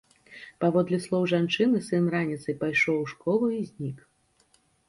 Паводле слоў жанчыны, сын раніцай пайшоў у школу і знік.